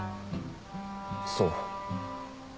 そう。